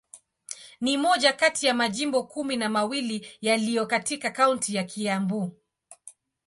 Ni moja kati ya majimbo kumi na mawili yaliyo katika kaunti ya Kiambu.